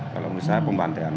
kalau menurut saya pembantaian